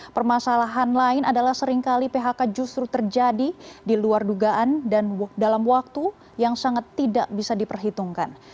permasalahan lain adalah seringkali phk justru terjadi di luar dugaan dan dalam waktu yang sangat tidak bisa diperhitungkan